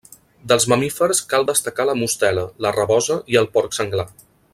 Dels mamífers cal destacar la mostela, la rabosa i el porc senglar.